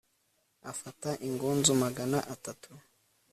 afata ingunzu magana atatu